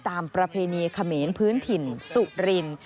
ตามประเพณีขเมนพื้นถิ่นสุรินทร์